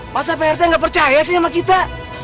masa pak rt gak percaya sih sama kita